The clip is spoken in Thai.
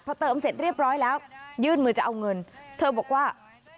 พอเติมเสร็จเรียบร้อยแล้วยื่นมือจะเอาเงินเธอบอกว่า